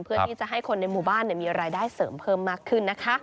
เพื่อที่จะให้คนในหมู่บ้านมีรายได้เสริมเพิ่มมากขึ้นนะคะ